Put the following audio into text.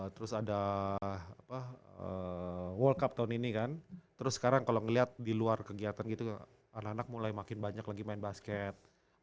terus ada world cup tahun ini kan terus sekarang kalau ngelihat di luar kegiatan gitu anak anak mulai makin banyak lagi main basket